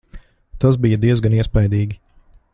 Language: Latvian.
Tas bija diezgan iespaidīgi.